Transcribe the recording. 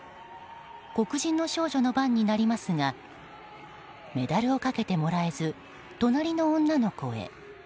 黒人の少女の番になりますがメダルをかけてもらえず隣の女の子へ。